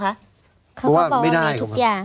เค้าก็บอกว่ามีทุกอย่าง